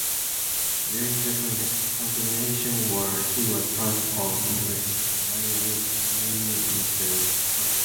During the Continuation War he was a part of Mannerheim's inner circle.